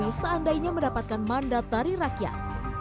yang seandainya mendapatkan mandat dari rakyat